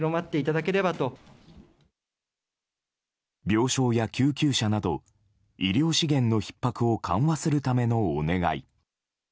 病床や救急車など医療資源のひっ迫を緩和するためのお願い。